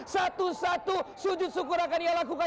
satu satu sujud syukur akan ia lakukan